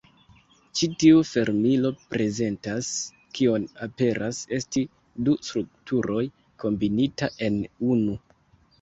Ĉi tiu fermilo prezentas kion aperas esti du strukturoj kombinita en unu.